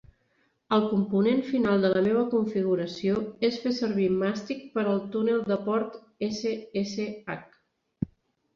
El component final de la meva configuració és fer servir màstic per al túnel de port SSH.